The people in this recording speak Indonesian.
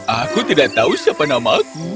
aku tidak tahu siapa namaku